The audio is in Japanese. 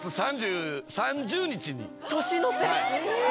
年の瀬。